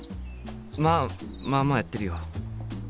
まあまあまあやってるよ。